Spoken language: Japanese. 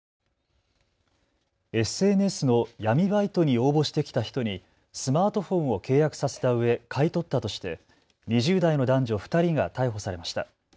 ＳＮＳの闇バイトに応募してきた人にスマートフォンを契約させたうえ買い取ったとして２０代の男女２人が逮捕されました。